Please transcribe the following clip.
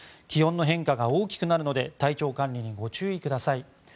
気温の変化が大きくなるので体調管理にご注意ください。